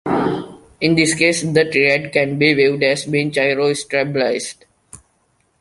In this case, the triad can be viewed as being gyrostabilized.